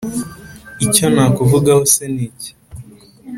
Icyo nakuvugaho se ni iki?